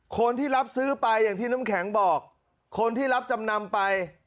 คนที่รับซื้อไปอย่างที่น้ำแข็งบอกคนที่รับจำนำไป